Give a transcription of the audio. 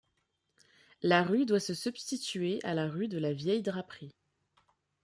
La rue doit se substituer à la rue de la Vieille-Draperie.